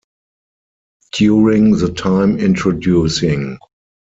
During the time Introducing...